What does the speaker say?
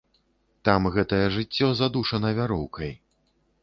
Там гэтае жыццё задушана вяроўкай.